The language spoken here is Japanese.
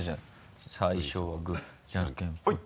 最初はグーじゃんけんぽい。